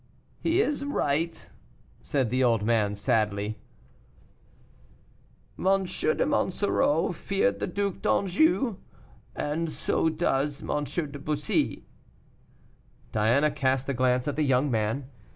"He is right," said the old man, sadly. "M. de Monsoreau feared the Duc d'Anjou, and so does M. de Bussy." Diana cast a glance at the young man.